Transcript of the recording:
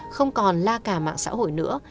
không còn la cả mạng xã hội nữa